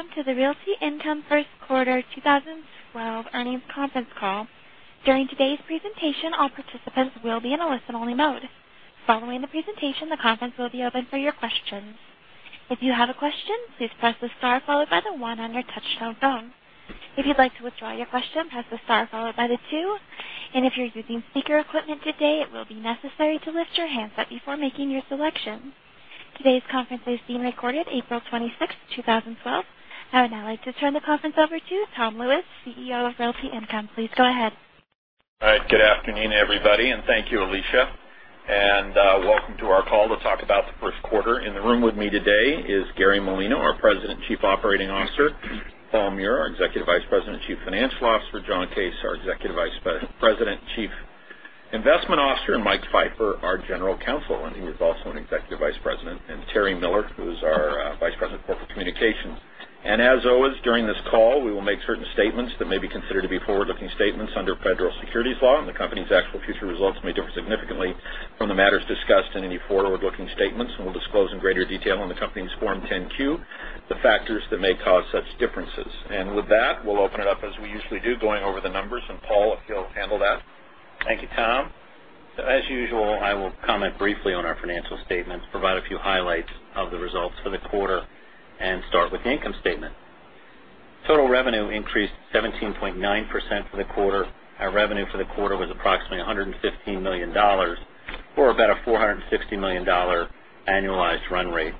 Welcome to the Realty Income First Quarter 2012 Earnings Conference Call. During today's presentation, all participants will be in a listen-only mode. Following the presentation, the conference will be open for your questions. If you have a question, please press the star followed by the one on your touch-tone phone. If you'd like to withdraw your question, press the star followed by the two. If you're using speaker equipment today, it will be necessary to lift your hands up before making your selection. Today's conference is being recorded, April 26, 2012. I would now like to turn the conference over to Tom Lewis, CEO of Realty Income. Please go ahead. All right. Good afternoon, everybody, and thank you, Alicia. Welcome to our call to talk about the first quarter. In the room with me today is Gary Molino, our President, Chief Operating Officer, Paul Meurer, our Executive Vice President, Chief Financial Officer, John Case, our Executive Vice President, Chief Investment Officer, Mike Pfeiffer, our General Counsel, and he is also an Executive Vice President, and Tere Miller, who is our Vice President, Corporate Communications. As always, during this call, we will make certain statements that may be considered to be forward-looking statements under Federal Securities Law, and the company's actual future results may differ significantly from the matters discussed in any forward-looking statements, and we'll disclose in greater detail on the company's Form 10-Q the factors that may cause such differences. With that, we'll open it up, as we usually do, going over the numbers. Paul, if you'll handle that. Thank you, Tom. As usual, I will comment briefly on our financial statements, provide a few highlights of the results for the quarter, and start with the income statement. Total revenue increased 17.9% for the quarter. Our revenue for the quarter was approximately $115 million for about a $460 million annualized run rate.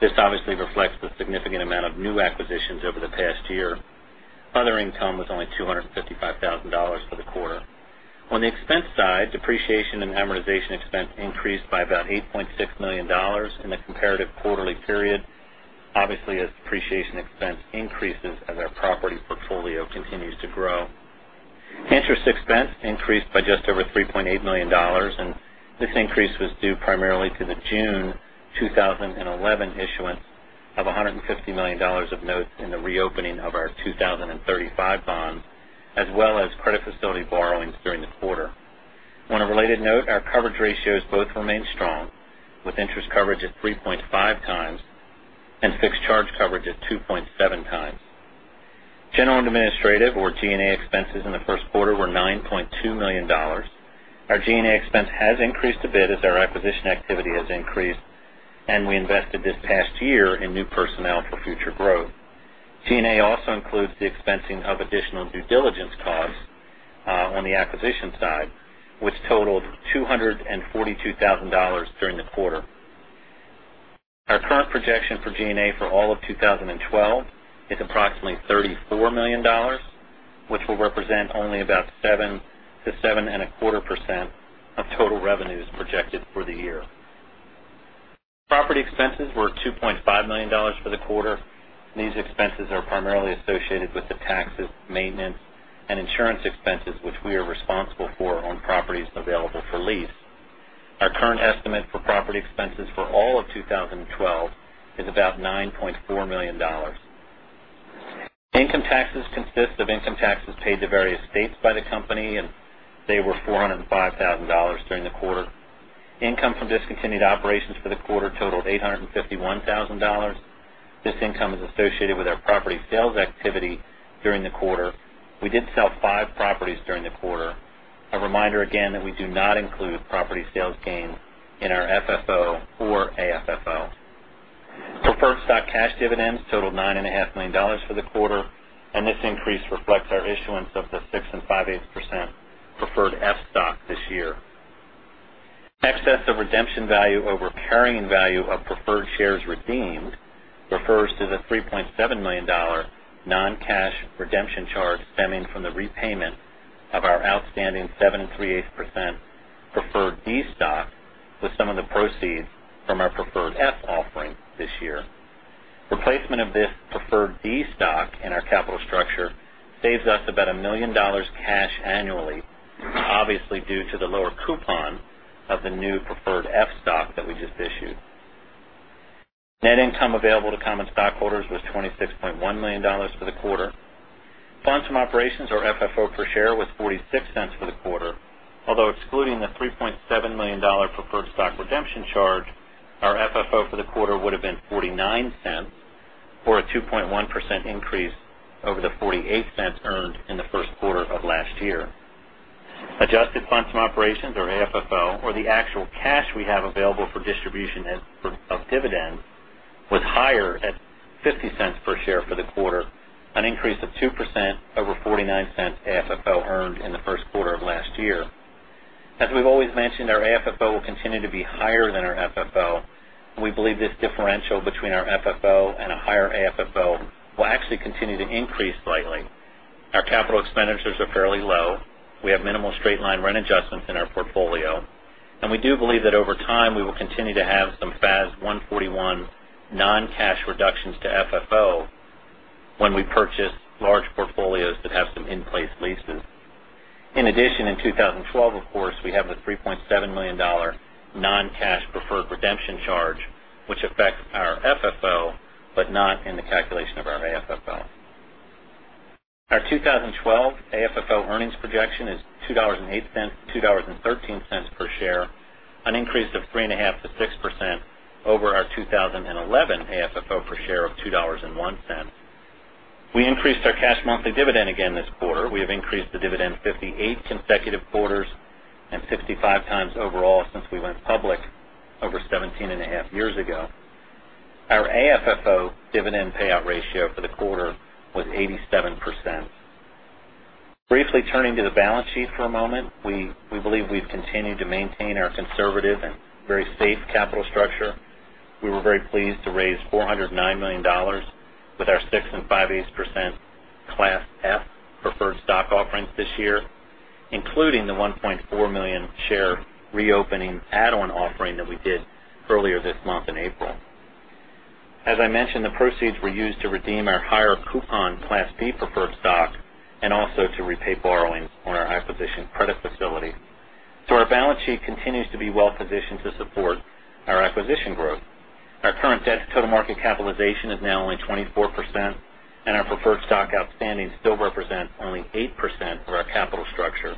This obviously reflects the significant amount of new acquisitions over the past year. Other income was only $255,000 for the quarter. On the expense side, depreciation and amortization expense increased by about $8.6 million in the comparative quarterly period. Obviously, as depreciation expense increases and our property portfolio continues to grow, interest expense increased by just over $3.8 million, and this increase was due primarily to the June 2011 issuance of $150 million of notes in the reopening of our 2035 bonds, as well as credit facility borrowings during the quarter. On a related note, our coverage ratios both remain strong, with interest coverage of 3.5x and fixed charge coverage of 2.7x. General administrative or G&A expenses in the first quarter were $9.2 million. Our G&A expense has increased a bit as our acquisition activity has increased, and we invested this past year in new personnel for future growth. G&A also includes the expensing of additional due diligence costs on the acquisition side, which totaled $242,000 during the quarter. Our current projection for G&A for all of 2012 is approximately $34 million, which will represent only about 7%-7.25% of total revenues projected for the year. Property expenses were $2.5 million for the quarter. These expenses are primarily associated with the taxes, maintenance, and insurance expenses, which we are responsible for on properties available for lease. Our current estimate for property expenses for all of 2012 is about $9.4 million. Income taxes consist of income taxes paid to various states by the company, and they were $405,000 during the quarter. Income from discontinued operations for the quarter totaled $851,000. This income is associated with our property sales activity during the quarter. We did sell five properties during the quarter. A reminder again that we do not include property sales gains in our FFO or AFFO. Preferred stock cash dividends totaled $9.5 million for the quarter, and this increase reflects our issuance of the 6.58% Class F preferred stock this year. Excessive redemption value over carrying value of preferred shares redeemed refers to the $3.7 million non-cash redemption charge stemming from the repayment of our outstanding 7.38% preferred D stock with some of the proceeds from our preferred F offering this year. Replacement of this preferred D stock in our capital structure saves us about $1 million cash annually, obviously due to the lower coupon of the new preferred F stock that we just issued. Net income available to common stockholders was $26.1 million for the quarter. Funds from operations or FFO per share was $0.46 for the quarter. Although excluding the $3.7 million preferred stock redemption charge, our FFO for the quarter would have been $0.49 for a 2.1% increase over the $0.48 earned in the first quarter of last year. Adjusted funds from operations or AFFO or the actual cash we have available for distribution of dividends was higher at $0.50 per share for the quarter, an increase of 2% over $0.49 AFFO earned in the first quarter of last year. As we've always mentioned, our AFFO will continue to be higher than our FFO, and we believe this differential between our FFO and a higher AFFO will actually continue to increase slightly. Our capital expenditures are fairly low. We have minimal straight-line rent adjustments in our portfolio, and we do believe that over time we will continue to have some FAS 141 non-cash reductions to FFO when we purchase large portfolios that have some in-place leases. In addition, in 2012, of course, we have the $3.7 million non-cash preferred redemption charge, which affects our FFO but not in the calculation of our AFFO. Our 2012 AFFO earnings projection is $2.08-$2.13 per share, an increase of 3.5%-6% over our 2011 AFFO per share of $2.01. We increased our cash monthly dividend again this quarter. We have increased the dividend 58 consecutive quarters and 65 times overall since we went public over 17 and a half years ago. Our AFFO dividend payout ratio for the quarter was 87%. Briefly turning to the balance sheet for a moment, we believe we've continued to maintain our conservative and very safe capital structure. We were very pleased to raise $409 million with our 6.58% Class F preferred stock offerings this year, including the 1.4 million share reopening add-on offering that we did earlier this month in April. As I mentioned, the proceeds were used to redeem our higher coupon Class B preferred stock and also to repay borrowings on our acquisition credit facility. Our balance sheet continues to be well-positioned to support our acquisition growth. Our current debt-to-total market capitalization is now only 24%, and our preferred stock outstandings still represent only 8% of our capital structure.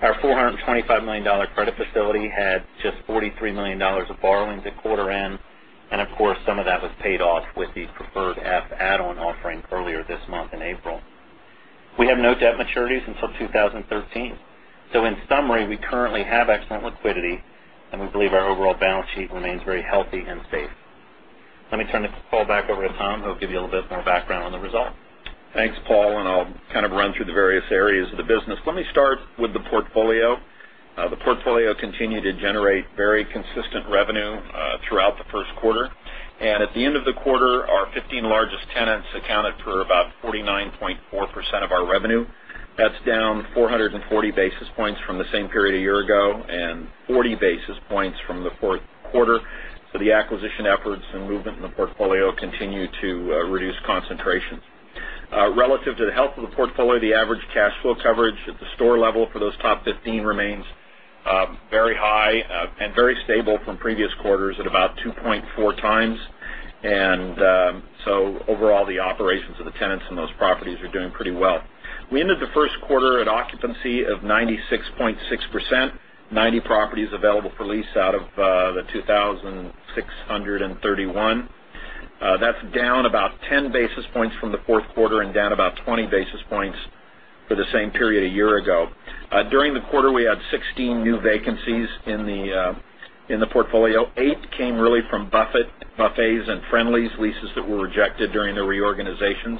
Our $425 million credit facility had just $43 million of borrowing at quarter end, and of course, some of that was paid off with the Class F preferred stock add-on offering earlier this month in April. We have no debt maturities until 2013. In summary, we currently have excellent liquidity, and we believe our overall balance sheet remains very healthy and safe. Let me turn this call back over to Tom, who will give you a little bit more background on the results. Thanks, Paul, and I'll kind of run through the various areas of the business. Let me start with the portfolio. The portfolio continued to generate very consistent revenue throughout the first quarter, and at the end of the quarter, our 15 largest tenants accounted for about 49.4% of our revenue. That's down 440 basis points from the same period a year ago and 40 basis points from the fourth quarter. The acquisition efforts and movement in the portfolio continue to reduce concentrations. Relative to the health of the portfolio, the average cash flow coverage at the store level for those top 15 remains very high and very stable from previous quarters at about 2.4x. Overall, the operations of the tenants in those properties are doing pretty well. We ended the first quarter at occupancy of 96.6%, with 90 properties available for lease out of the 2,631. That's down about 10 basis points from the fourth quarter and down about 20 basis points for the same period a year ago. During the quarter, we had 16 new vacancies in the portfolio. Eight came from buffets and Friendlies leases that were rejected during the reorganizations,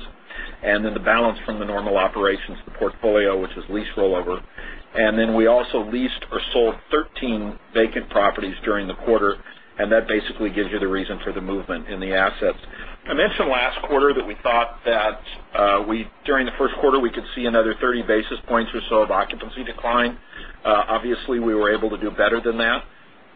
and the balance from the normal operations of the portfolio, which is lease rollover. We also leased or sold 13 vacant properties during the quarter, and that basically gives you the reason for the movement in the assets. I mentioned last quarter that we thought that during the first quarter, we could see another 30 basis points or so of occupancy decline. Obviously, we were able to do better than that,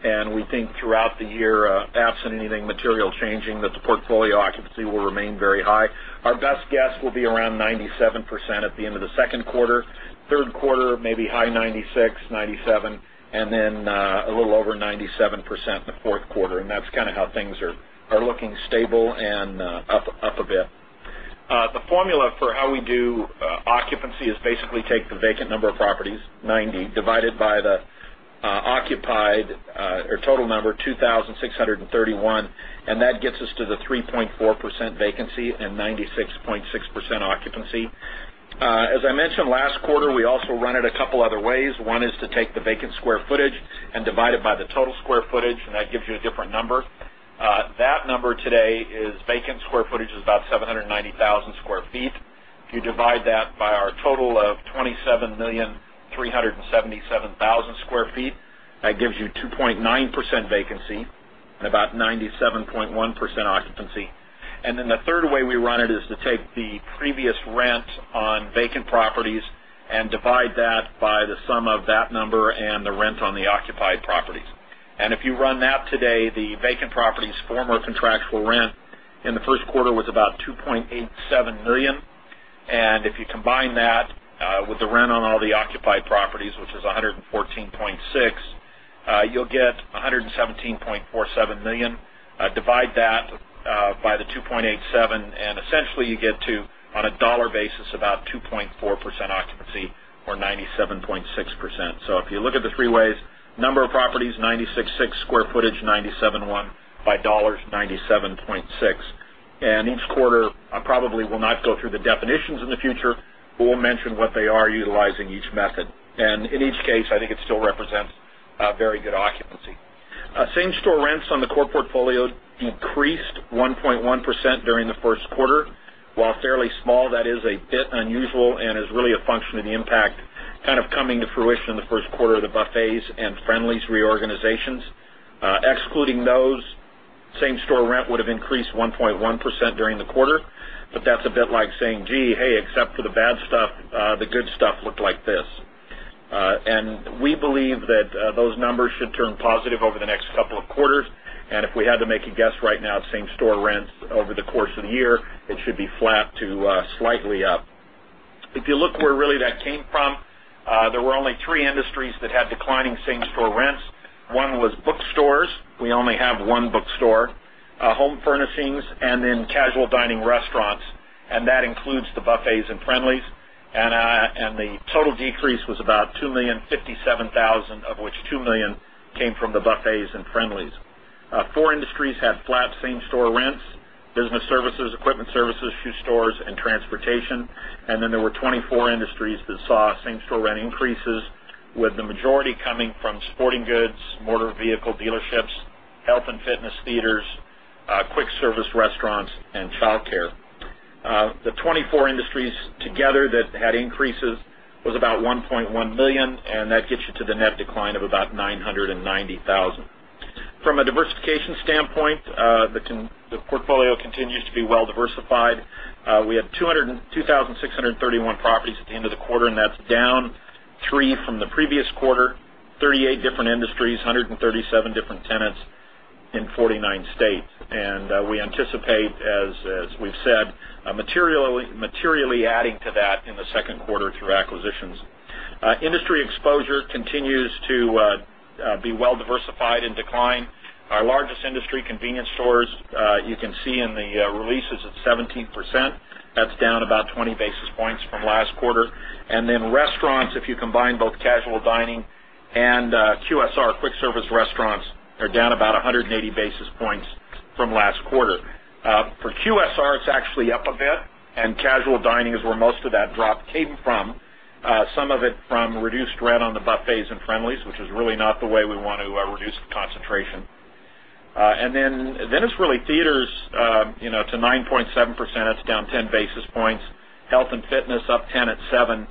and we think throughout the year, absent anything material changing, that the portfolio occupancy will remain very high. Our best guess will be around 97% at the end of the second quarter. Third quarter, maybe high 96, 97, and then a little over 97% in the fourth quarter. That's kind of how things are looking stable and up a bit. The formula for how we do occupancy is basically take the vacant number of properties, 90, divided by the occupied or total number, 2,631, and that gets us to the 3.4% vacancy and 96.6% occupancy. As I mentioned last quarter, we also run it a couple of other ways. One is to take the vacant square footage and divide it by the total square footage, and that gives you a different number. That number today is vacant square footage, is about 790,000 sq ft. If you divide that by our total of 27,377,000 sq ft, that gives you 2.9% vacancy and about 97.1% occupancy. The third way we run it is to take the previous rent on vacant properties and divide that by the sum of that number and the rent on the occupied properties. If you run that today, the vacant properties' former contractual rent in the first quarter was about $2.87 million. If you combine that with the rent on all the occupied properties, which is $114.6 million, you'll get $117.47 million. Divide that by the $2.87 million, and essentially you get to, on a dollar basis, about 2.4% vacancy or 97.6% occupancy. If you look at the three ways: number of properties, 96.6%; square footage, 97.1%; by dollars, 97.6%. Each quarter, I probably will not go through the definitions in the future, but we'll mention what they are utilizing each method. In each case, I think it still represents a very good occupancy. Same-store rents on the core portfolio increased 1.1% during the first quarter. While fairly small, that is a bit unusual and is really a function of the impact kind of coming to fruition in the first quarter of the buffets and Friendlies reorganizations. Excluding those, same-store rent would have increased 1.1% during the quarter, but that's a bit like saying, "Gee, hey, except for the bad stuff, the good stuff looked like this." We believe that those numbers should turn positive over the next couple of quarters. If we had to make a guess right now, same-store rents over the course of the year should be flat to slightly up. If you look where really that came from, there were only three industries that had declining same-store rents. One was bookstores. We only have one bookstore, home furnishings, and then casual dining restaurants, and that includes the buffets and Friendlies.The total decrease was about $2,057,000, of which $2 million came from the buffets and Friendlies. Four industries had flat same-store rents: business services, equipment services, shoe stores, and transportation. There were 24 industries that saw same-store rent increases, with the majority coming from sporting goods, motor vehicle dealerships, health and fitness, theaters, quick service restaurants, and childcare. The 24 industries together that had increases was about $1.1 million, and that gets you to the net decline of about $990,000. From a diversification standpoint, the portfolio continues to be well-diversified. We had 2,631 properties at the end of the quarter, and that's down three from the previous quarter, 38 different industries, 137 different tenants in 49 states. We anticipate, as we've said, materially adding to that in the second quarter through acquisitions. Industry exposure continues to be well-diversified and decline. Our largest industry, convenience stores, you can see in the releases at 17%. That's down about 20 basis points from last quarter. Restaurants, if you combine both casual dining and QSR, quick service restaurants, are down about 180 basis points from last quarter. For QSR, it's actually up a bit, and casual dining is where most of that drop came from, some of it from reduced rent on the buffets and Friendly's, which is really not the way we want to reduce the concentration. It's really theaters, you know, to 9.7%. That's down 10 basis points. Health and fitness up 10 at 7%.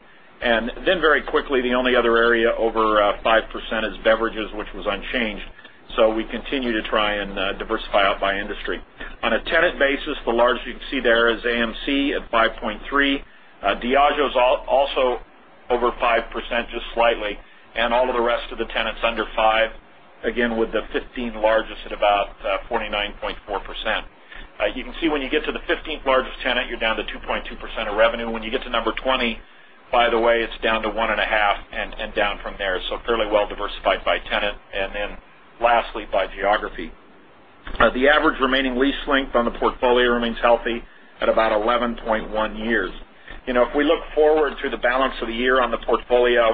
Very quickly, the only other area over 5% is beverages, which was unchanged. We continue to try and diversify out by industry. On a tenant basis, the largest you can see there is AMC at 5.3%. Diageo is also over 5% just slightly. All of the rest of the tenants under 5%, again with the 15 largest at about 49.4%. You can see when you get to the 15th largest tenant, you're down to 2.2% of revenue. When you get to number 20, by the way, it's down to 1.5% and down from there. Fairly well diversified by tenant and then lastly by geography. The average remaining lease length on the portfolio remains healthy at about 11.1 years. If we look forward to the balance of the year on the portfolio,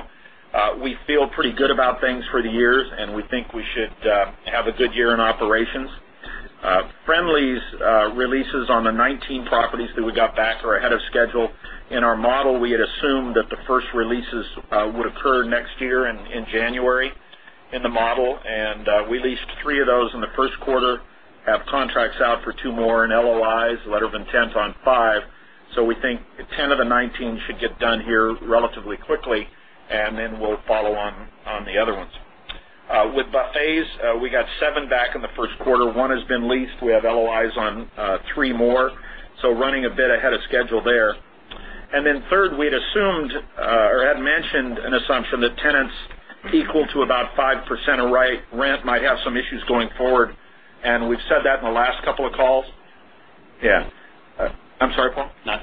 we feel pretty good about things for the year, and we think we should have a good year in operations. Friendly's releases on the 19 properties that we got back are ahead of schedule.In our model, we had assumed that the first releases would occur next year in January in the model, and we leased three of those in the first quarter, have contracts out for two more, and LOIs, letter of intents, on five. We think 10 of the 19 should get done here relatively quickly, and then we'll follow on the other ones. With buffets, we got seven back in the first quarter. One has been leased. We have LOIs on three more. Running a bit ahead of schedule there. We had assumed or had mentioned an assumption that tenants equal to about 5% of rent might have some issues going forward. We've said that in the last couple of calls. Yeah. I'm sorry, Paul? Not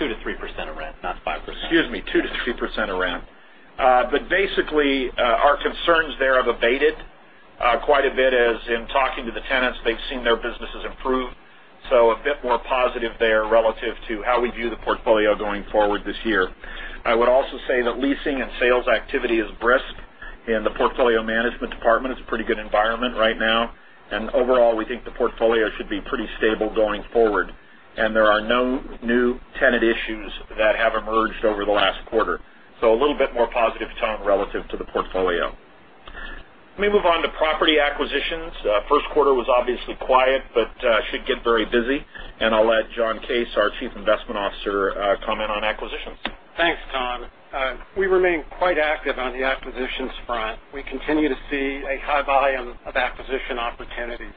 2%-3% of rent, not 5%. Excuse me, 2%-3% of rent. Basically, our concerns there have abated quite a bit, as in talking to the tenants, they've seen their businesses improve. A bit more positive there relative to how we view the portfolio going forward this year. I would also say that leasing and sales activity is brisk. In the Portfolio Management department, it's a pretty good environment right now. Overall, we think the portfolio should be pretty stable going forward. There are no new tenant issues that have emerged over the last quarter. A little bit more positive tone relative to the portfolio. Let me move on to property acquisitions. First quarter was obviously quiet, but should get very busy. I'll let John Case, our Chief Investment Officer, comment on acquisitions. Thanks, Tom. We remain quite active on the acquisitions front. We continue to see a high volume of acquisition opportunities.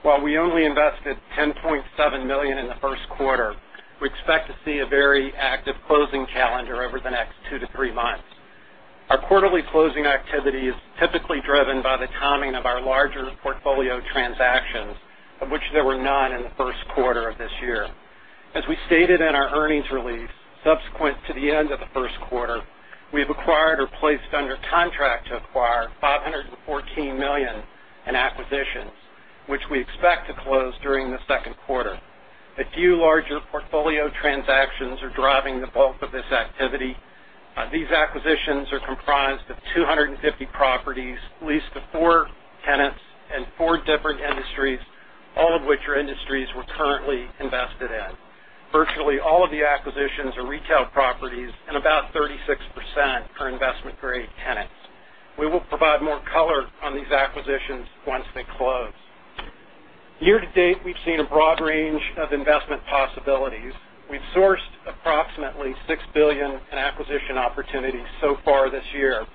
While we only invested $10.7 million in the first quarter, we expect to see a very active closing calendar over the next 2-3 months. Our quarterly closing activity is typically driven by the timing of our larger portfolio transactions, of which there were none in the first quarter of this year. As we stated in our earnings release subsequent to the end of the first quarter, we have acquired or placed under contract to acquire $514 million in acquisitions, which we expect to close during the second quarter. A few larger portfolio transactions are driving the bulk of this activity. These acquisitions are comprised of 250 properties leased to four tenants and four different industries, all of which are industries we're currently invested in. Virtually all of the acquisitions are retail properties and about 36% for investment-grade tenants. We will provide more color on these acquisitions once they close. Year to date, we've seen a broad range of investment possibilities. We've sourced approximately $6 billion in acquisition opportunities so far this year.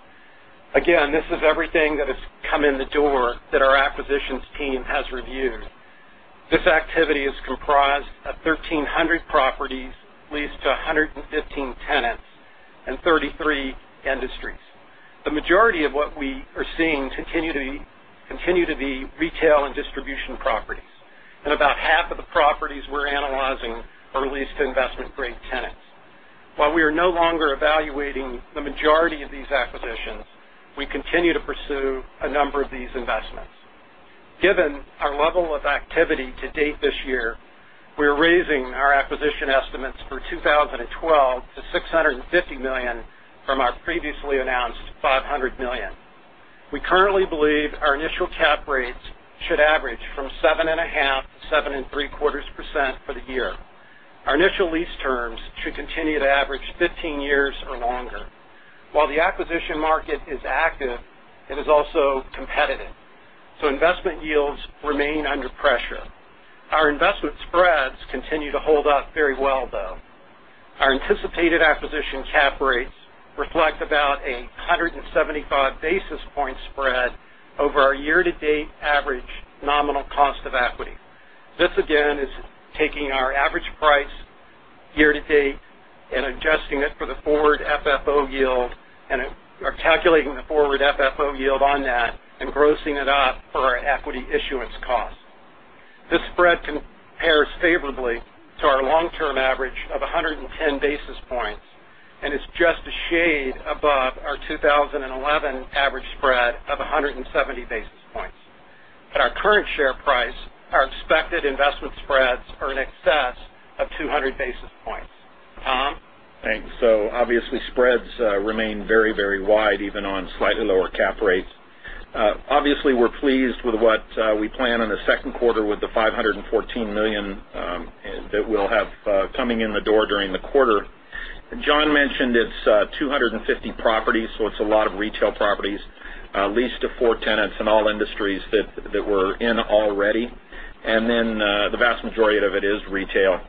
This is everything that has come in the door that our acquisitions team has reviewed. This activity is comprised of 1,300 properties leased to 115 tenants and 33 industries. The majority of what we are seeing continue to be retail and distribution properties. About half of the properties we're analyzing are leased to investment-grade tenants. While we are no longer evaluating the majority of these acquisitions, we continue to pursue a number of these investments. Given our level of activity to date this year, we are raising our acquisition estimates for 2012 to $650 million from our previously announced $500 million. We currently believe our initial cap rates should average from 7.5%-7.75% for the year. Our initial lease terms should continue to average 15 years or longer. While the acquisition market is active, it is also competitive. Investment yields remain under pressure. Our investment spreads continue to hold up very well, though. Our anticipated acquisition cap rates reflect about a 175 basis point spread over our year-to-date average nominal cost of equity. This is taking our average price year to date and adjusting it for the forward FFO yield, and we're calculating the forward FFO yield on that and grossing it up for our equity issuance cost. This spread compares favorably to our long-term average of 110 basis points, and it's just a shade above our 2011 average spread of 170 basis points. At our current share price, our expected investment spreads are in excess of 200 basis points. Tom? Thanks. Obviously, spreads remain very, very wide, even on slightly lower cap rates. We're pleased with what we plan in the second quarter with the $514 million that we'll have coming in the door during the quarter. John mentioned it's 250 properties, so it's a lot of retail properties leased to four tenants in all industries that we're in already. The vast majority of it is retail.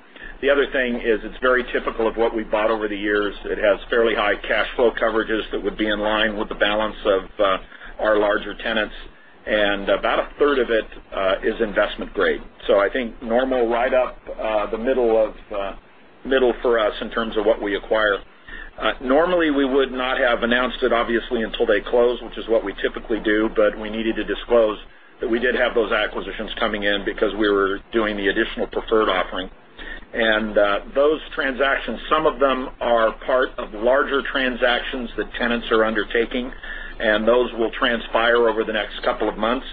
The other thing is it's very typical of what we bought over the years. It has fairly high cash flow coverages that would be in line with the balance of our larger tenants, and about a third of it is investment grade. I think normal right up the middle for us in terms of what we acquire. Normally, we would not have announced it until they close, which is what we typically do, but we needed to disclose that we did have those acquisitions coming in because we were doing the additional preferred offering. Those transactions, some of them are part of larger transactions that tenants are undertaking, and those will transpire over the next couple of months.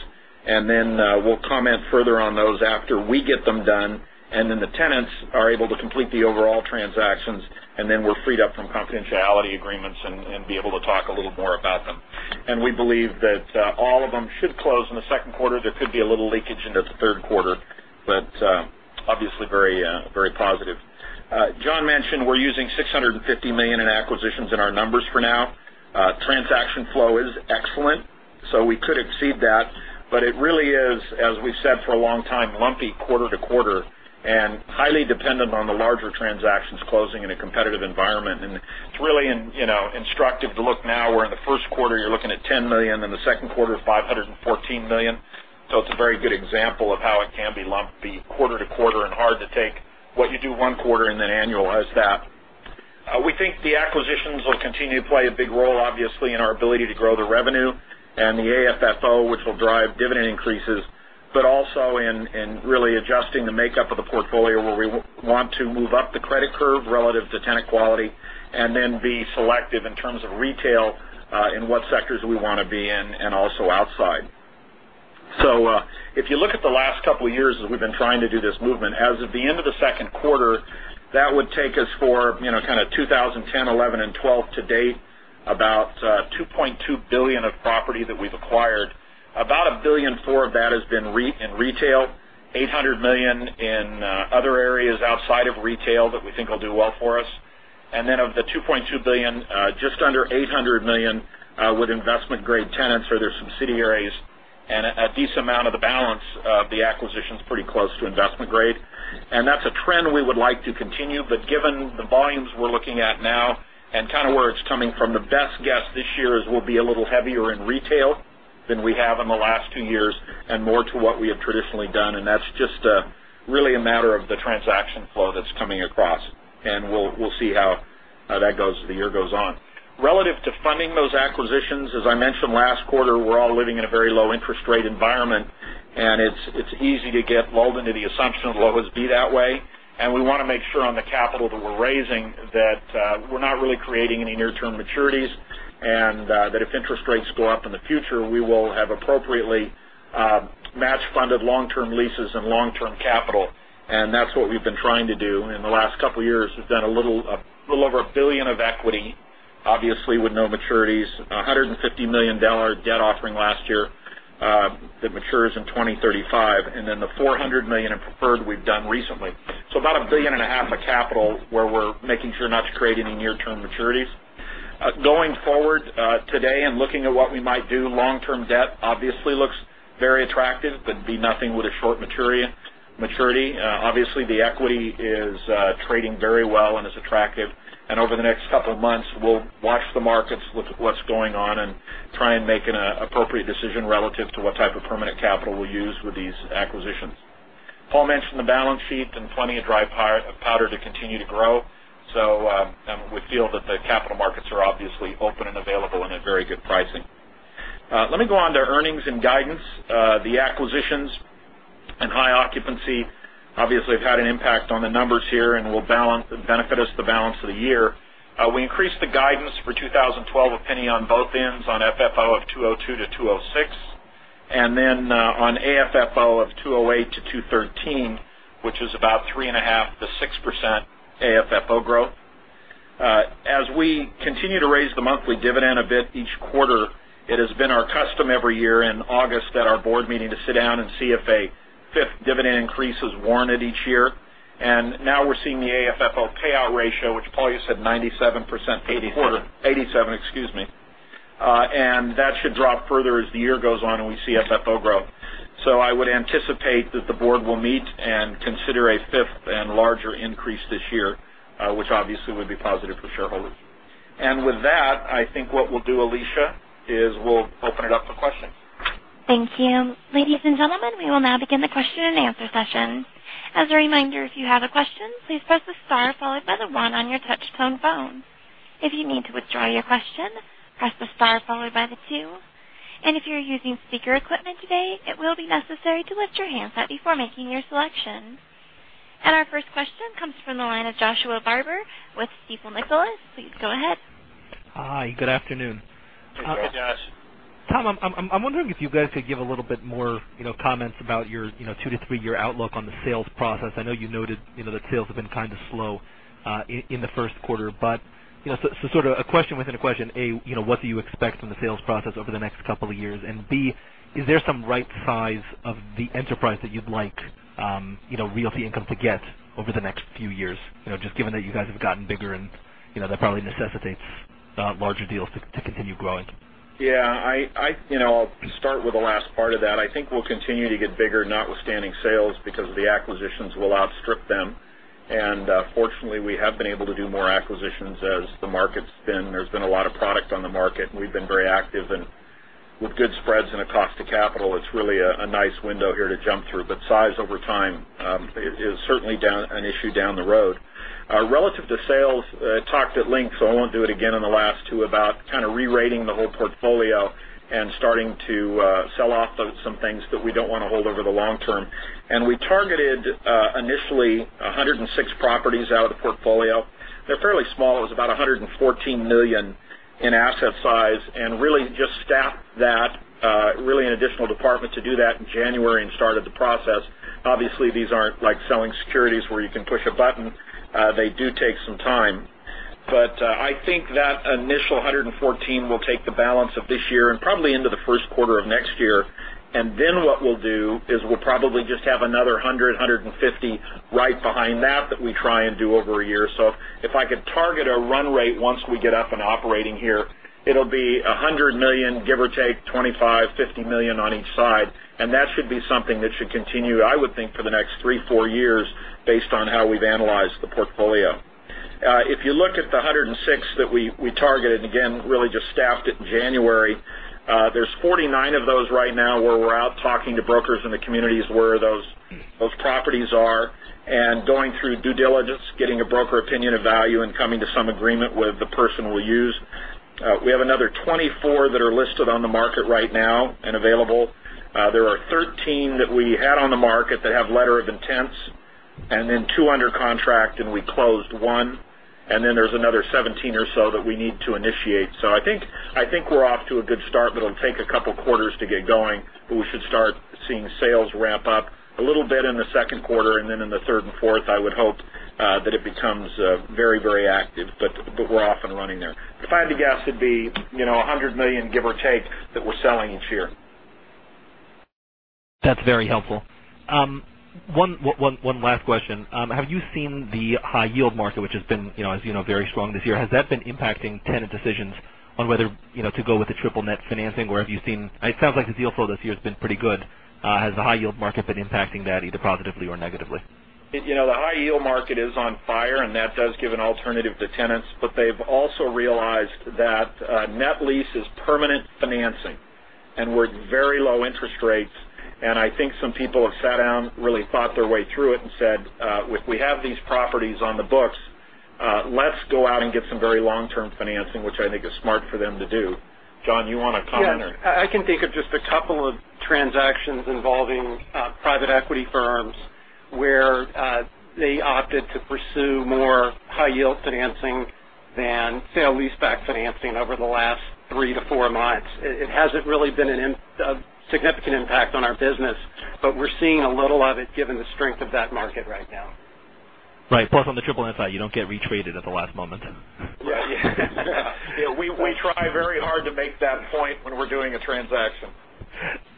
We'll comment further on those after we get them done, and the tenants are able to complete the overall transactions, and then we're freed up from confidentiality agreements and able to talk a little more about them. We believe that all of them should close in the second quarter. There could be a little leakage into the third quarter, but obviously very, very positive. John mentioned we're using $650 million in acquisitions in our numbers for now. Transaction flow is excellent, so we could exceed that, but it really is, as we've said for a long time, lumpy quarter to quarter and highly dependent on the larger transactions closing in a competitive environment. It's really instructive to look now where in the first quarter you're looking at $10 million and the second quarter $514 million. It's a very good example of how it can be lumpy quarter to quarter and hard to take what you do one quarter and then annualize that. We think the acquisitions will continue to play a big role in our ability to grow the revenue and the AFFO, which will drive dividend increases, but also in really adjusting the makeup of the portfolio where we want to move up the credit curve relative to tenant quality and then be selective in terms of retail in what sectors we want to be in and also outside. If you look at the last couple of years as we've been trying to do this movement, as of the end of the second quarter, that would take us for kind of 2010, 2011, and 2012 to date about $2.2 billion of property that we've acquired. About $1.4 billion of that has been in retail, $800 million in other areas outside of retail that we think will do well for us. Of the $2.2 billion, just under $800 million with investment-grade tenants or their subsidiaries, and a decent amount of the balance of the acquisitions pretty close to investment grade. That's a trend we would like to continue, but given the volumes we're looking at now and kind of where it's coming from, the best guess this year is we'll be a little heavier in retail than we have in the last two years and more to what we have traditionally done. That's just really a matter of the transaction flow that's coming across. We'll see how that goes as the year goes on. Relative to funding those acquisitions, as I mentioned last quarter, we're all living in a very low interest rate environment, and it's easy to get lulled into the assumption that it will always be that way. We want to make sure on the capital that we're raising that we're not really creating any near-term maturities and that if interest rates go up in the future, we will have appropriately match-funded long-term leases and long-term capital. That's what we've been trying to do. In the last couple of years, we've done a little over $1 billion of equity, obviously, with no maturities, $150 million debt offering last year that matures in 2035, and then the $400 million of preferred we've done recently. About $1.5 billion of capital where we're making sure not to create any near-term maturities. Going forward today and looking at what we might do, long-term debt obviously looks very attractive, but it'd be nothing with a short maturity. Obviously, the equity is trading very well and is attractive. Over the next couple of months, we'll watch the markets, look at what's going on, and try and make an appropriate decision relative to what type of permanent capital we'll use with these acquisitions. Paul mentioned the balance sheet and plenty of dry powder to continue to grow. We feel that the capital markets are obviously open and available and at very good pricing. Let me go on to earnings and guidance. The acquisitions and high occupancy obviously have had an impact on the numbers here and will benefit us the balance of the year. We increased the guidance for 2012 a penny on both ends on FFO of $2.02-$2.06, and then on AFFO of $2.08-$2.13, which is about 3.5%-6% AFFO growth. As we continue to raise the monthly dividend a bit each quarter, it has been our custom every year in August at our Board meeting to sit down and see if a fifth dividend increase is warranted each year. We are now seeing the AFFO payout ratio, which Paul, you said 97% to 87% quarter.87%. Excuse me. That should drop further as the year goes on and we see FFO grow. I would anticipate that the board will meet and consider a fifth and larger increase this year, which obviously would be positive for shareholders. With that, I think what we'll do, Alicia, is open it up for questions. Thank you. Ladies and gentlemen, we will now begin the question-and-answer session. As a reminder, if you have a question, please press the star followed by the one on your touch-tone phone. If you need to withdraw your question, press the star followed by the two. If you're using speaker equipment today, it will be necessary to lift your hands up before making your selection. Our first question comes from the line of Joshua Barber with Stifel Nicolaus. Please go ahead. Hi. Good afternoon. Good afternoon, Josh. Tom, I'm wondering if you guys could give a little bit more comments about your two to three-year outlook on the sales process. I know you noted that sales have been kind of slow in the first quarter, but sort of a question within a question. A, what do you expect from the sales process over the next couple of years? B, is there some right size of the enterprise that you'd like Realty Income to get over the next few years, just given that you guys have gotten bigger and that probably necessitates larger deals to continue growing? Yeah. I'll start with the last part of that. I think we'll continue to get bigger, notwithstanding sales, because the acquisitions will outstrip them. Fortunately, we have been able to do more acquisitions as the market's been. There's been a lot of product on the market, and we've been very active. With good spreads and a cost to capital, it's really a nice window here to jump through. Size over time is certainly an issue down the road. Relative to sales, I talked at length, so I won't do it again in the last two, about kind of re-rating the whole portfolio and starting to sell off some things that we don't want to hold over the long term. We targeted initially 106 properties out of the portfolio. They're fairly small. It was about $114 million in asset size. We really just stacked that, really an additional department to do that in January and started the process. Obviously, these aren't like selling securities where you can push a button. They do take some time. I think that initial $114 million will take the balance of this year and probably into the first quarter of next year. What we'll do is we'll probably just have another 100, 150 right behind that that we try and do over a year. If I could target a run rate once we get up and operating here, it'll be $100 million, give or take $25 million, $50 million on each side. That should be something that should continue, I would think, for the next three, four years based on how we've analyzed the portfolio. If you look at the 106 that we targeted, and again, really just staffed it in January, there's 49 of those right now where we're out talking to brokers in the communities where those properties are and going through due diligence, getting a broker opinion of value, and coming to some agreement with the person we'll use. We have another 24 that are listed on the market right now and available. There are 13 that we had on the market that have letter of intents, and then two under contract, and we closed one. There's another 17 or so that we need to initiate. I think we're off to a good start, but it'll take a couple of quarters to get going. We should start seeing sales ramp up a little bit in the second quarter, and then in the third and fourth, I would hope that it becomes very, very active. We're off and running there. The final guess would be $100 million, give or take, that we're selling each year. That's very helpful. One last question. Have you seen the high-yield market, which has been, as you know, very strong this year? Has that been impacting tenant decisions on whether to go with the triple net financing, or have you seen, it sounds like the deal flow this year has been pretty good. Has the high-yield market been impacting that either positively or negatively? You know, the high-yield market is on fire, and that does give an alternative to tenants, but they've also realized that net lease is permanent financing and we're at very low interest rates. I think some people have sat down, really thought their way through it and said, "If we have these properties on the books, let's go out and get some very long-term financing," which I think is smart for them to do. John, you want to comment? I can think of just a couple of transactions involving private equity firms where they opted to pursue more high-yield financing than sale-leaseback financing over the last three to four months. It hasn't really been a significant impact on our business, but we're seeing a little of it given the strength of that market right now. Right. Plus, on the triple net side, you don't get retraded at the last moment. Yeah. We try very hard to make that point when we're doing a transaction.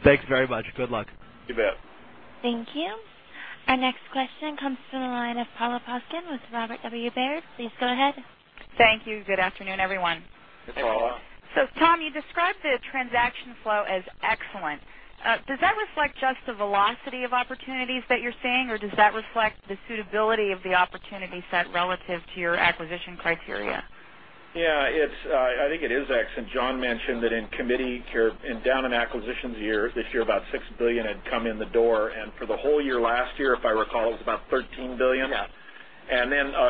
Thanks very much. Good luck. You bet. Thank you. Our next question comes from the line of [Paula Jensen] with Robert W. Baird. Please go ahead. Thank you. Good afternoon, everyone. Hey, Paula. Tom, you described the transaction flow as excellent. Does that reflect just the velocity of opportunities that you're seeing, or does that reflect the suitability of the opportunity set relative to your acquisition criteria? Yeah, I think it is excellent. John mentioned that in committee here and down in acquisitions this year, about $6 billion had come in the door. For the whole year last year, if I recall, it was about $13 billion.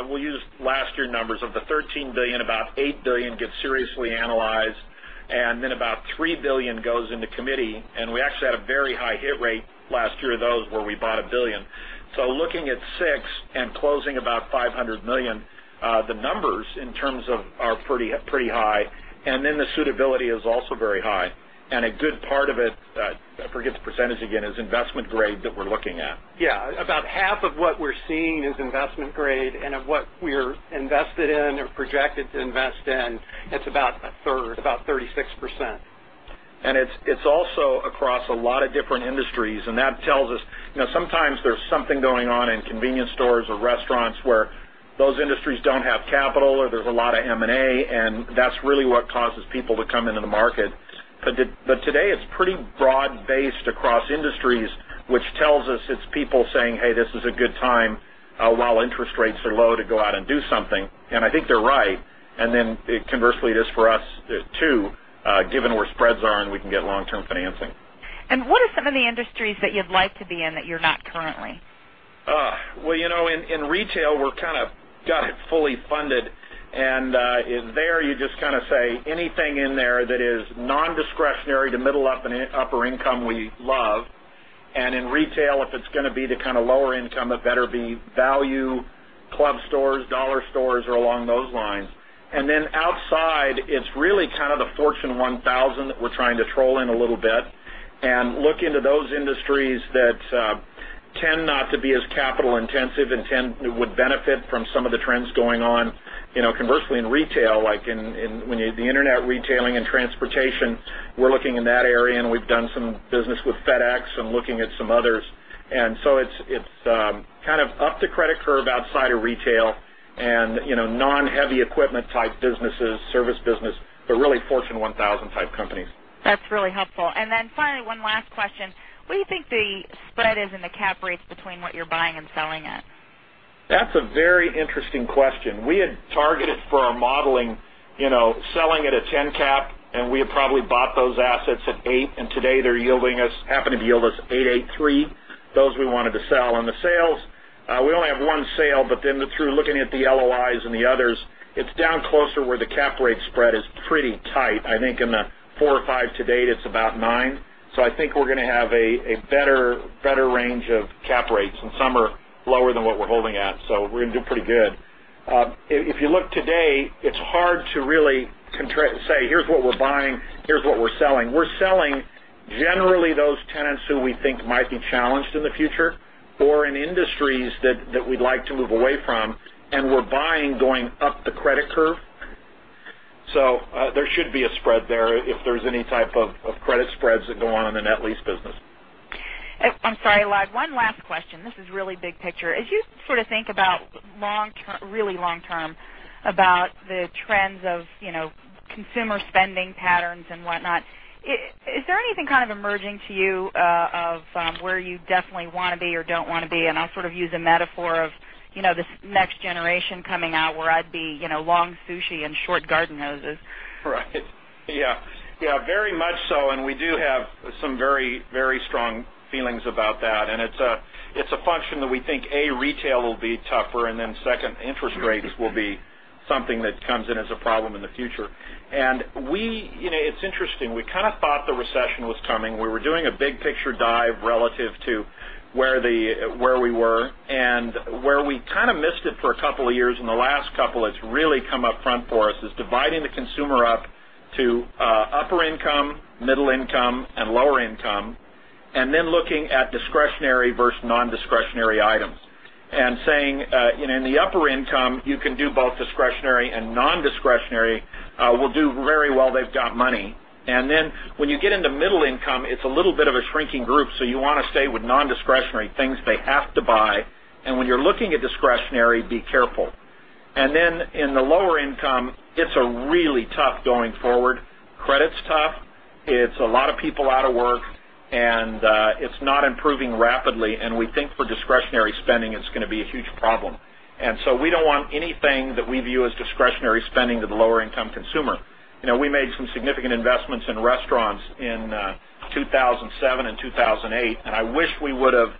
We'll use last year's numbers. Of the $13 billion, about $8 billion get seriously analyzed, and then about $3 billion goes into committee. We actually had a very high hit rate last year of those where we bought $1 billion. Looking at $6 billion and closing about $500 million, the numbers in terms of are pretty, pretty high. The suitability is also very high. A good part of it, I forget the percentage again, is investment grade that we're looking at. Yeah. About half of what we're seeing is investment grade, and of what we're invested in or projected to invest in, it's about a third, about 36%. It is also across a lot of different industries. That tells us, you know, sometimes there's something going on in convenience stores or restaurants where those industries don't have capital or there's a lot of M&A, and that's really what causes people to come into the market. Today, it's pretty broad-based across industries, which tells us it's people saying, "Hey, this is a good time while interest rates are low to go out and do something." I think they're right. Conversely, it is for us too, given where spreads are and we can get long-term financing. What are some of the industries that you'd like to be in that you're not currently? In retail, we're kind of got it fully funded. There you just kind of say anything in there that is non-discretionary to middle upper income, we love. In retail, if it's going to be to kind of lower income, it better be value, club stores, dollar stores, or along those lines. Outside, it's really kind of the Fortune 1000 that we're trying to troll in a little bit and look into those industries that tend not to be as capital intensive and tend to benefit from some of the trends going on. Conversely, in retail, like in the internet retailing and transportation, we're looking in that area, and we've done some business with FedEx and looking at some others. It's kind of up the credit curve outside of retail and, you know, non-heavy equipment type businesses, service business, but really Fortune 1000 type companies. That's really helpful. Finally, one last question. What do you think the spread is in the cap rates between what you're buying and selling at? That's a very interesting question. We had targeted for our modeling, you know, selling at a 10% cap rate, and we had probably bought those assets at 8%. Today they're yielding us, happening to yield us 8.83%, those we wanted to sell. The sales, we only have one sale, but then through looking at the LOIs and the others, it's down closer where the cap rate spread is pretty tight. I think in the four or five to date, it's about 9%. I think we're going to have a better range of cap rates, and some are lower than what we're holding at. We're going to do pretty good. If you look today, it's hard to really say, "Here's what we're buying. Here's what we're selling." We're selling generally those tenants who we think might be challenged in the future or in industries that we'd like to move away from, and we're buying going up the credit curve. There should be a spread there if there's any type of credit spreads that go on in the net lease business. I'm sorry, Lad. One last question. This is really big picture. As you sort of think about long term, really long term, about the trends of, you know, consumer spending patterns and whatnot, is there anything kind of emerging to you of where you definitely want to be or don't want to be? I'll sort of use a metaphor of, you know, this next generation coming out where I'd be, you know, long sushi and short garden hoses. Right. Yeah, very much so. We do have some very, very strong feelings about that. It's a function that we think, A, retail will be tougher, and then second, interest rates will be something that comes in as a problem in the future. It's interesting. We kind of thought the recession was coming. We were doing a big picture dive relative to where we were. Where we kind of missed it for a couple of years, and the last couple, it's really come up front for us, is dividing the consumer up to upper income, middle income, and lower income, and then looking at discretionary versus non-discretionary items. In the upper income, you can do both discretionary and non-discretionary. We'll do very well. They've got money. When you get into middle income, it's a little bit of a shrinking group. You want to stay with non-discretionary things they have to buy. When you're looking at discretionary, be careful. In the lower income, it's really tough going forward. Credit's tough. It's a lot of people out of work, and it's not improving rapidly. We think for discretionary spending, it's going to be a huge problem. We don't want anything that we view as discretionary spending to the lower income consumer. We made some significant investments in restaurants in 2007 and 2008, and I wish we would have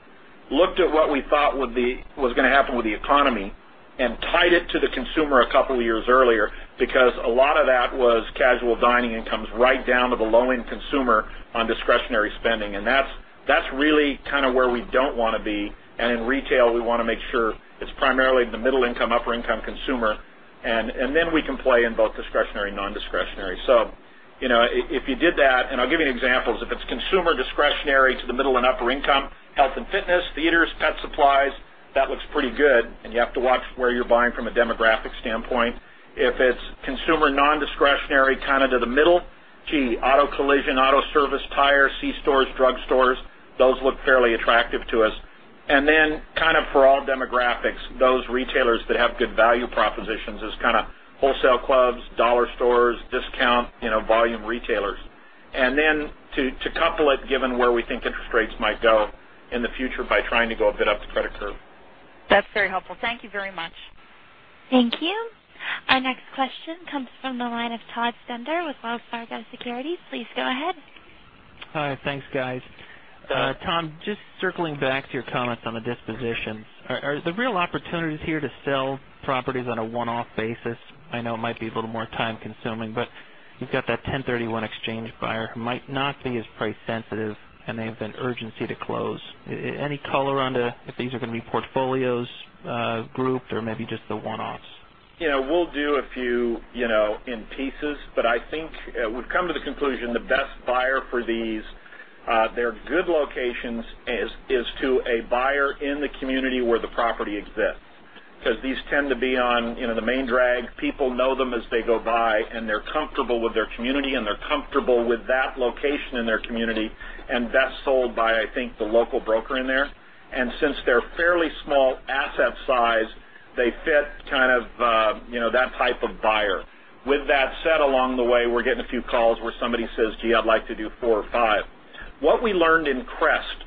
looked at what we thought was going to happen with the economy and tied it to the consumer a couple of years earlier because a lot of that was casual dining incomes right down to the low-end consumer on discretionary spending. That's really kind of where we don't want to be.In retail, we want to make sure it's primarily the middle income, upper income consumer. We can play in both discretionary and non-discretionary. If you did that, and I'll give you examples. If it's consumer discretionary to the middle and upper income, health and fitness, theaters, pet supplies, that looks pretty good. You have to watch where you're buying from a demographic standpoint. If it's consumer non-discretionary kind of to the middle, gee, auto collision, auto service, tire, convenience stores, drug stores, those look fairly attractive to us. For all demographics, those retailers that have good value propositions as kind of wholesale clubs, dollar stores, discount, volume retailers. To couple it, given where we think interest rates might go in the future, by trying to go a bit up the credit curve. That's very helpful. Thank you very much. Thank you. Our next question comes from the line of Todd Spender with Wells Fargo Securities. Please go ahead. Hi. Thanks, guys. Tom, just circling back to your comments on the disposition. Are the real opportunities here to sell properties on a one-off basis? I know it might be a little more time-consuming, but you've got that 1031 exchange buyer who might not be as price-sensitive, and they have an urgency to close. Any color on if these are going to be portfolios, grouped, or maybe just the one-offs? We'll do a few in pieces, but I think we've come to the conclusion the best buyer for these, they're good locations, is to a buyer in the community where the property exists. These tend to be on the main drag. People know them as they go by, and they're comfortable with their community, and they're comfortable with that location in their community. Best sold by, I think, the local broker in there. Since they're fairly small asset size, they fit kind of that type of buyer. With that said, along the way, we're getting a few calls where somebody says, "Gee, I'd like to do four or five." What we learned in CREST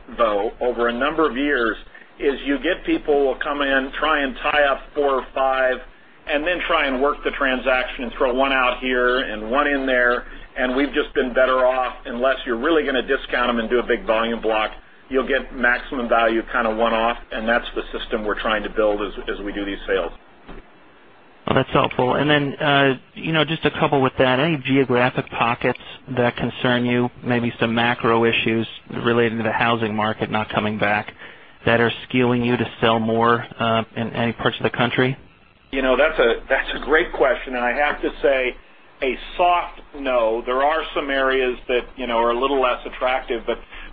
over a number of years is you get people who will come in, try and tie up four or five, and then try and work the transaction and throw one out here and one in there. We've just been better off, unless you're really going to discount them and do a big volume block, you'll get maximum value kind of one-off. That's the system we're trying to build as we do these sales. That's helpful. You know, just a couple with that. Any geographic pockets that concern you, maybe some macro issues related to the housing market not coming back that are skewing you to sell more in any parts of the country? You know, that's a great question. I have to say a soft no. There are some areas that are a little less attractive.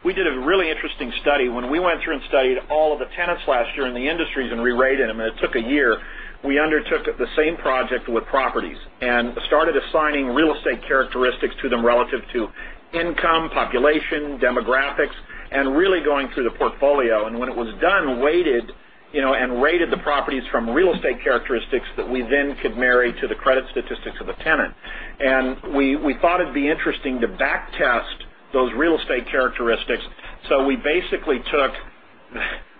We did a really interesting study. When we went through and studied all of the tenants last year in the industries and rerated them, and it took a year, we undertook the same project with properties and started assigning real estate characteristics to them relative to income, population, demographics, and really going through the portfolio. When it was done, we weighted and rated the properties from real estate characteristics that we then could marry to the credit statistics of the tenant. We thought it'd be interesting to backtest those real estate characteristics. We basically took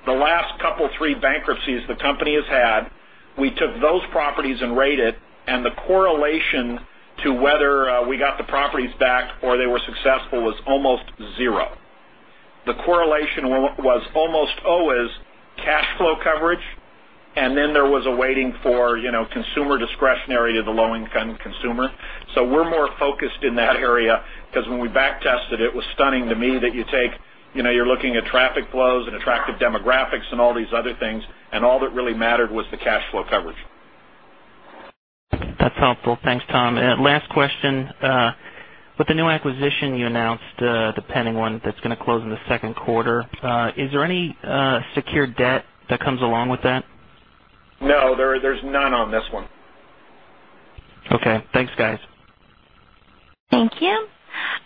the last couple, three bankruptcies the company has had, we took those properties and rated, and the correlation to whether we got the properties back or they were successful was almost zero. The correlation was almost always cash flow coverage, and then there was a weighting for consumer discretionary to the low-income consumer. We're more focused in that area because when we backtested it, it was stunning to me that you're looking at traffic flows and attractive demographics and all these other things, and all that really mattered was the cash flow coverage. That's helpful. Thanks, Tom. Last question. With the new acquisition you announced, the pending one that's going to close in the second quarter, is there any secured debt that comes along with that? No, there's none on this one. Okay, thanks, guys. Thank you.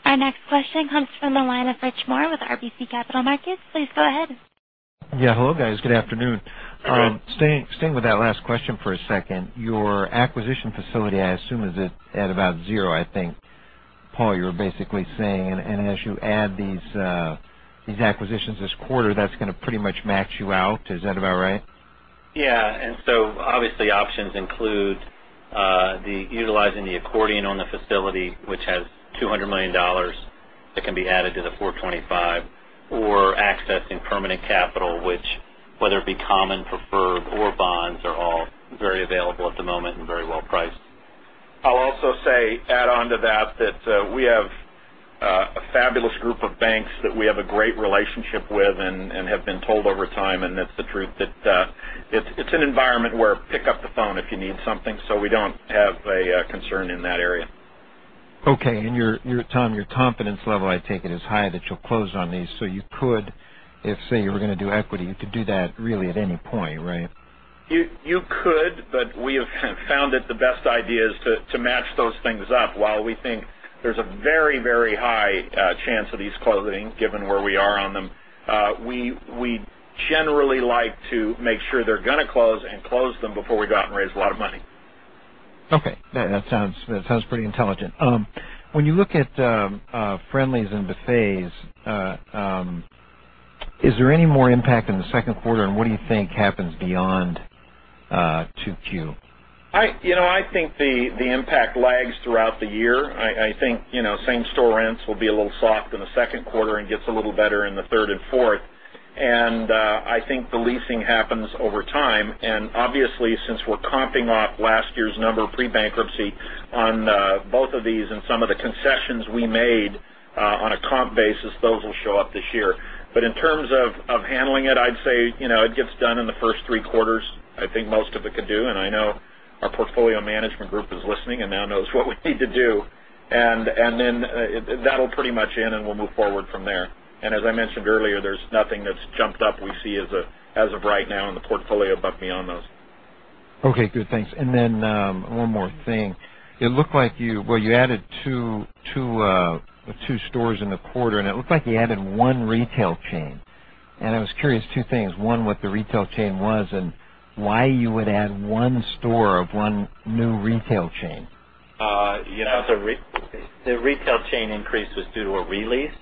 Our next question comes from the line of Rich Moore with RBC Capital Markets. Please go ahead. Yeah. Hello, guys. Good afternoon. Staying with that last question for a second, your acquisition facility, I assume, is at about zero, I think. Paul, you're basically saying, and as you add these acquisitions this quarter, that's going to pretty much max you out. Is that about right? Yeah. Obviously, options include utilizing the accordion on the credit facility, which has $200 million that can be added to the $425 million, or accessing permanent capital, which, whether it be common, preferred, or bonds, are all very available at the moment and very well priced. I'll also add to that that we have a fabulous group of banks that we have a great relationship with and have been told over time, and that's the truth, that it's an environment where you pick up the phone if you need something. We don't have a concern in that area. Okay. Tom, your confidence level, I take it, is high that you'll close on these. You could, if say you were going to do equity, you could do that really at any point, right? You could, but we have found that the best idea is to match those things up. While we think there's a very, very high chance of these closing, given where we are on them, we generally like to make sure they're going to close and close them before we go out and raise a lot of money. Okay. That sounds pretty intelligent. When you look at Friendlies and buffets, is there any more impact in the second quarter, and what do you think happens beyond 2Q? I think the impact lags throughout the year. I think same-store rents will be a little soft in the second quarter and get a little better in the third and fourth. I think the leasing happens over time. Obviously, since we're comping off last year's number of pre-bankruptcy on both of these and some of the concessions we made on a comp basis, those will show up this year. In terms of handling it, I'd say it gets done in the first three quarters. I think most of it could do. I know our portfolio management group is listening and now knows what we need to do. That'll pretty much end, and we'll move forward from there. As I mentioned earlier, there's nothing that's jumped up we see as of right now in the portfolio above me on those. Okay. Good. Thanks. One more thing. It looked like you added two stores in the quarter, and it looked like you added one retail chain. I was curious, two things. One, what the retail chain was and why you would add one store of one new retail chain. You know, the retail chain increase was due to a release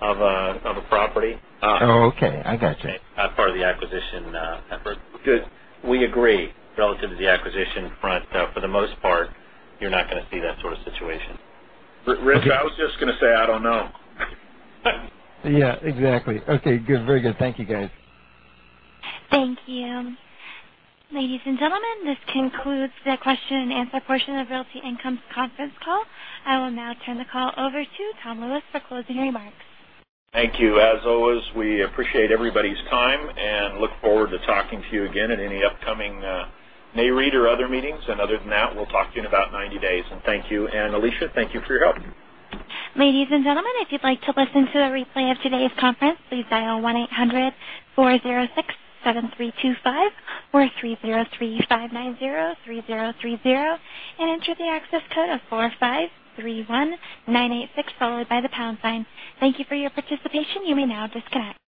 of a property. Oh, okay. I got you. As part of the acquisition effort, because we agree relative to the acquisition front, for the most part, you're not going to see that sort of situation. Rich, I was just going to say, I don't know. Yeah, exactly. Okay, good. Very good. Thank you, guys. Thank you. Ladies and gentlemen, this concludes the question and answer portion of the Realty Income conference call. I will now turn the call over to Tom Lewis for closing remarks. Thank you. As always, we appreciate everybody's time and look forward to talking to you again at any upcoming Mayread or other meetings. Other than that, we'll talk to you in about 90 days. Thank you. Alicia, thank you for your help. Ladies and gentlemen, if you'd like to listen to a replay of today's conference, please dial 1-800-406-7325 or 303-590-3030 and enter the access code of 4531-986, followed by the pound sign. Thank you for your participation. You may now disconnect.